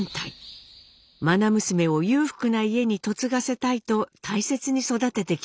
まな娘を裕福な家に嫁がせたいと大切に育ててきたからです。